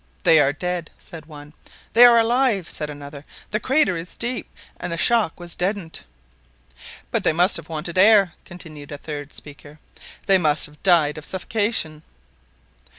"They are dead!" said one. "They are alive!" said another; "the crater is deep, and the shock was deadened." "But they must have wanted air," continued a third speaker; "they must have died of suffocation."